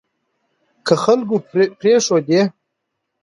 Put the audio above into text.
که خلکو پرېښودې